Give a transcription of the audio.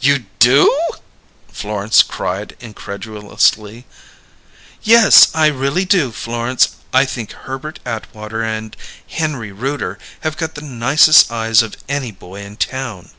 "You do?" Florence cried incredulously. "Yes, I really do, Florence. I think Herbert Atwater and Henry Rooter have got the nicest eyes of any boy in town."